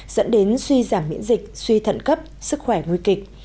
dẫn đến suy giảm miễn dịch suy thận cấp sức khỏe nguy kịch